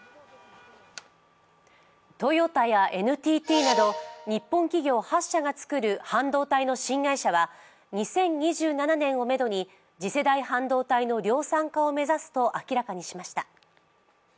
トヨタやＮＴＴなど、日本企業８社が作る半導体の新会社は、２０２７年をめどに次世代半導体の量産化を目指すと明らかにしました。